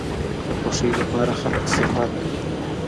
د خوښۍ لپاره خلک سفر کوي.